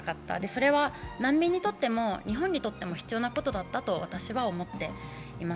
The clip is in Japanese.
それは難民にとっても日本にとっても必要なことだったと思っています。